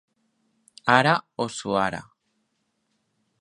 Ara o suara.